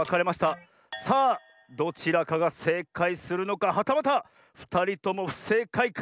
さあどちらかがせいかいするのかはたまたふたりともふせいかいか。